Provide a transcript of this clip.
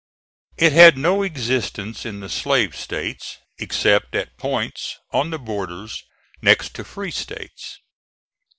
It had no existence in the Slave States except at points on the borders next to Free States.